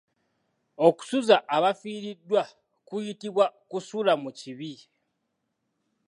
Okusuza abafiiriddwa kuyitibwa Kusula mu kibi.